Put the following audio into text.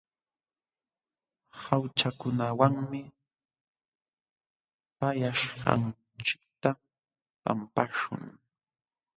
Haćhakunawanmi pallaśhqanchikta pampaśhun.